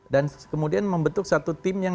dan kemudian membetulkan satu tim yang